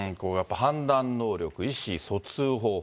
判断能力、意思疎通方法。